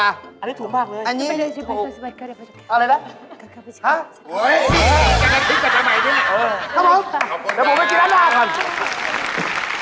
อันนี้ทุกมากเลยอันนี้ไม่ได้ทุก